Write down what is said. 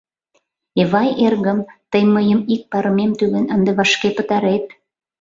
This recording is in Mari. Эвай эргым, тый мыйын ик парымем тӱлен ынде вашке пытарет.